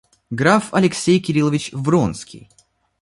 Граф Алексей Кириллович Вронский.